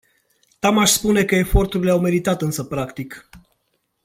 Tamaș spune că eforturile au meritat însă practic.